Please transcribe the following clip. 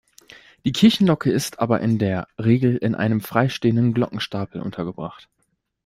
Die Kirchenglocke ist aber in der Regel in einem freistehenden Glockenstapel untergebracht.